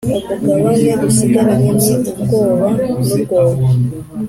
umugabane dusigaranye ni ubwoba n’urwobo,